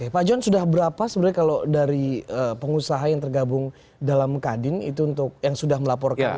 pak john sudah berapa sebenarnya kalau dari pengusaha yang tergabung dalam kadin itu untuk yang sudah melaporkan